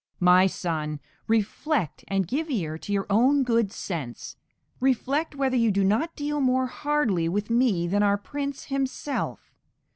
My son, reflect, and give ear to your own good sense. Reflect whether you do not deal more hardly with me than our prince himself.